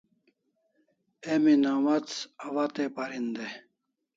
Emi nawats awatai parin dai